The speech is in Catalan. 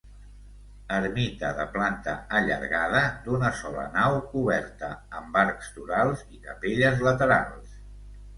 Ermita de planta allargada d'una sola nau coberta amb arcs torals i capelles laterals.